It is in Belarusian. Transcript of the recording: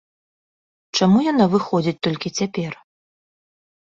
Чаму яна выходзіць толькі цяпер?